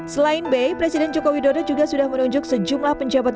selain b presiden joko widodo juga sudah menunjuk sejumlah penjabat